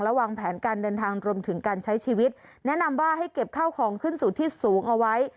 วางแผนการเดินทางรวมถึงการใช้ชีวิตแนะนำว่าให้เก็บข้าวของขึ้นสู่ที่สูงเอาไว้